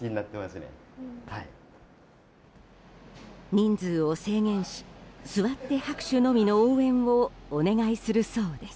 人数を制限し座って拍手のみの応援をお願いするそうです。